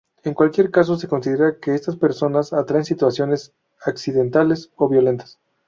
En cualquier caso, se considera que estas personas atraen situaciones accidentales o violentas.